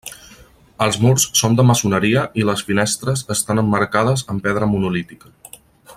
Els murs són de maçoneria i les finestres estan emmarcades amb pedra monolítica.